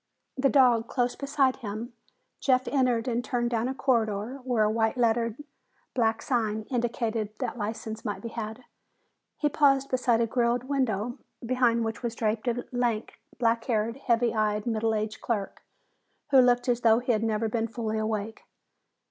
The dog close beside him, Jeff entered and turned down a corridor where a white lettered black sign indicated that licenses might be had. He paused beside a grilled window behind which was draped a lank, black haired, heavy eyed, middle aged clerk who looked as though he had never been fully awake.